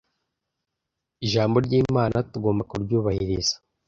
Ijambo ry'Imana tugomba kuryubahiriza